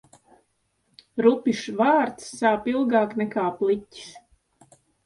Rupjš vārds sāp ilgāk nekā pliķis.